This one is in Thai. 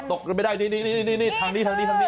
ตกไม่ได้นี่ทางนี้